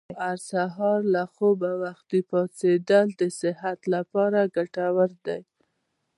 هر سهار له خوبه وختي پاڅېدل د صحت لپاره ګټور دي.